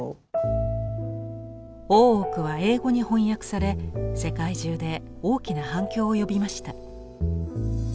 「大奥」は英語に翻訳され世界中で大きな反響を呼びました。